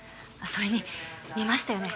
それに見ましたよね